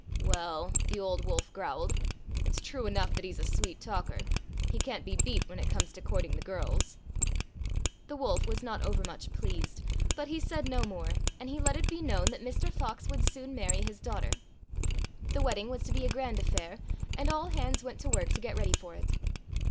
"Well," the old wolf growled, "it's true enough that he's a sweet talker. He can't be beat when it comes to courting the girls." The wolf was not overmuch pleased, but he said no more, and he let it be known 17 Fairy Tale Foxes that Mr. Fox would soon marry his daugh ter. The wedding was to be a grand affair, and all hands went to work to get ready for it.